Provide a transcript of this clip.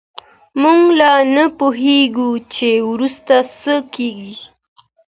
موږ لا نه پوهېږو چې وروسته څه کېږي.